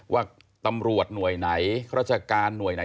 ว่าตำรวจหน่วยไหนราชการหน่วยไหน